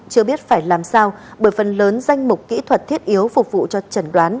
chưa biết phải làm sao bởi phần lớn danh mục kỹ thuật thiết yếu phục vụ cho trần đoán